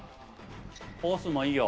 コースもいいよ。